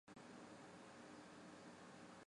布林库姆是德国下萨克森州的一个市镇。